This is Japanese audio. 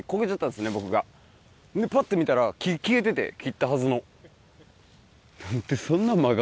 んでパッて見たら木消えてて切ったはずの。